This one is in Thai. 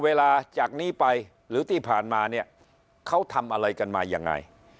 เวลาจากนี้ไปหรือที่ผ่านมาเนี่ยเขาทำอะไรกันมายังไง